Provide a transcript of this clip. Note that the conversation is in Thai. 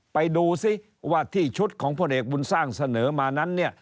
ไปดูซิว่าที่ชุดของพลเอกบุญสร้างเสนอมานั้นเนี่ย